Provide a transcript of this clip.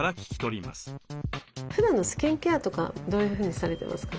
ふだんのスキンケアとかどういうふうにされてますか？